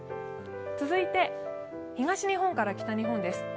続いて、東日本から北日本です。